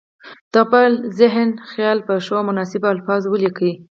د خپل ذهن خیال په ښو او مناسبو الفاظو ولیکي.